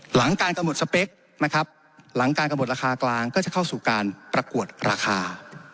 หลังการกำหนดสเปคนะครับหลังการกำหนดราคากลางก็จะเข้าสู่การประกวดราคา